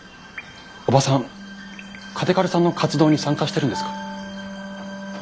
おばさん嘉手刈さんの活動に参加してるんですか？